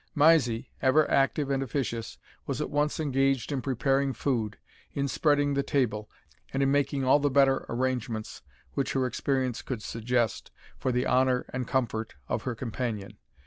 Mysie, ever active and officious, was at once engaged in preparing food, in spreading the table, and in making all the better arrangements which her experience could suggest, for the honour and comfort of her companion.